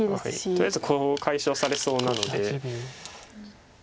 とりあえずコウを解消されそうなので。